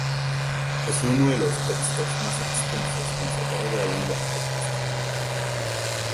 Es uno de los textos más extensos conservados de la lengua etrusca.